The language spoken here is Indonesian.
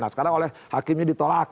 nah sekarang oleh hakimnya ditolak